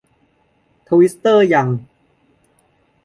ทวิตเตอร์ยัง